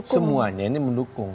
semuanya ini mendukung